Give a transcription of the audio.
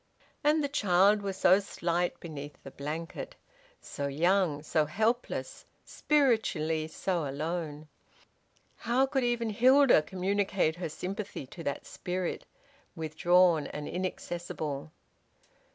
And the child was so slight beneath the blanket, so young, so helpless, spiritually so alone. How could even Hilda communicate her sympathy to that spirit, withdrawn and inaccessible?